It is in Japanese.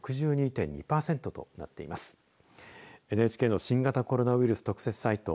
ＮＨＫの新型コロナウイルス特設サイト